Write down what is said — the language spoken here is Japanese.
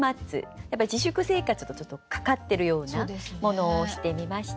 やっぱり自粛生活とちょっとかかってるようなものをしてみました。